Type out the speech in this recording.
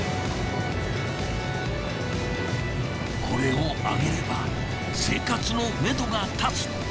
これを揚げれば生活のめどが立つ。